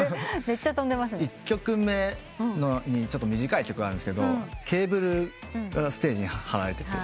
１曲目に短い曲があるんですけどケーブルがステージに張られてて。